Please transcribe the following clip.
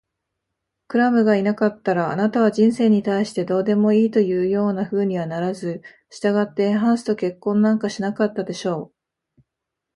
クラムがいなかったら、あなたは人生に対してどうでもいいというようなふうにはならず、したがってハンスと結婚なんかしなかったでしょう。